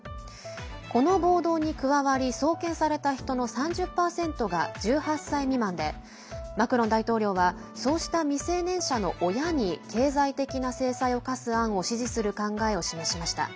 この暴動に加わり送検された人の３０％が１８歳未満でマクロン大統領はそうした未成年者の親に経済的な制裁を科す案を支持する考えを示しました。